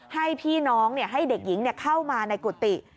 ให้พี่น้องให้เด็กหญิงเข้ามาในกุฏิ